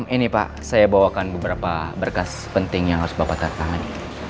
ini pak saya bawakan beberapa berkas penting yang harus bapak tangani